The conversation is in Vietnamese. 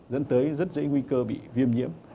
dẫn tới rất dễ nguy cơ bị viêm nhiễm